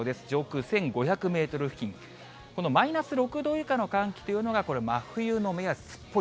上空１５００メートル付近、このマイナス６度以下の寒気というのがこれ、真冬の目安。